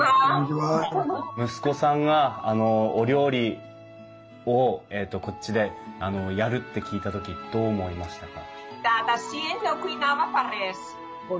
息子さんがあのお料理をこっちでやるって聞いた時どう思いましたか？